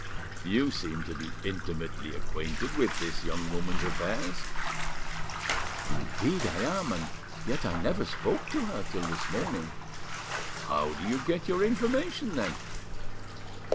"You seem to be intimately acquainted with this young woman's affairs." "Indeed I am, and yet I never spoke to her till this morning." "How did you get your information, then?"